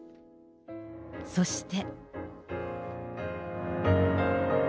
そして。